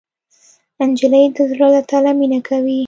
نجلۍ د زړه له تله مینه کوي.